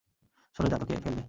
সরে যা, তোকে ফেলবে!